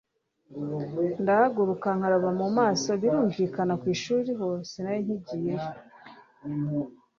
ndahaguruka nkaraba mumaso, birumvikana kwishuri ho sinarinkigiyeyo